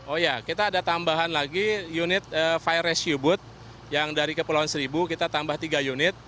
oh ya kita ada tambahan lagi unit fire ratio booth yang dari kepulauan seribu kita tambah tiga unit